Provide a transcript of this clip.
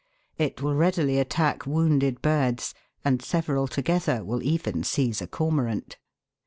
It will readily at tack wounded birds, and several together will even seize a cormorant.